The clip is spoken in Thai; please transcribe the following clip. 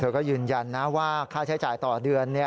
ก็ยืนยันนะว่าค่าใช้จ่ายต่อเดือน